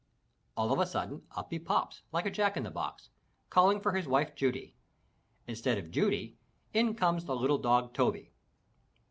All of a sudden up he pops like a jack in the box, calling for his wife Judy. Instead of Judy, in comes the little dog Toby.